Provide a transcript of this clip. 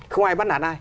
không ai bắt nạt ai